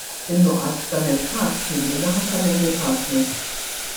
In-nuqqas f'dan il-każ kien min-naħa tal-Land Department.